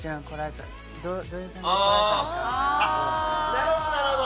なるほどなるほど！